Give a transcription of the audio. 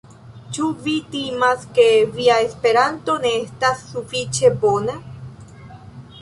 Ĉu vi timas, ke via Esperanto ne estas sufiĉe bona?